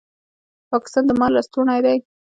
پاکستان د مار لستوڼی دی